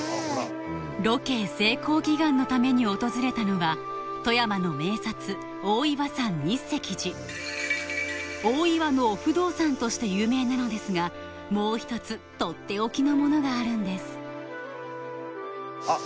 ロケ成功祈願のために訪れたのは富山の名刹大岩のお不動さんとして有名なのですがもう１つとっておきのものがあるんですあっ！